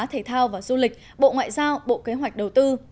thể thao và du lịch bộ ngoại giao bộ kế hoạch đầu tư